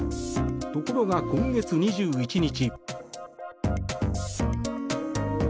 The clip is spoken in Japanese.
ところが今月２１日。